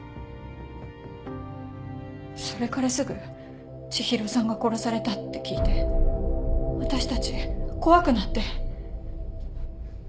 それからすぐ千尋さんが殺されたって聞いて私たち怖くなって。